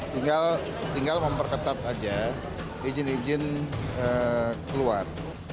tinggal memperketat aja izin izin keluar